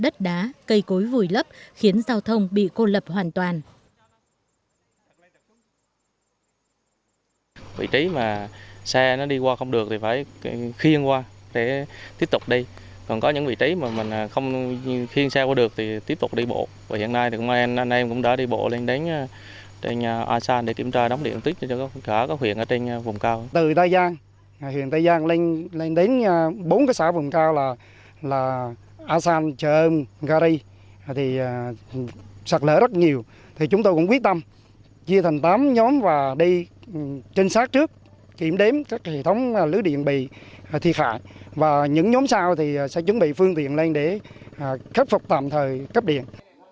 cá cây cối vùi lấp khiến giao thông bị cô lập hoàn toàn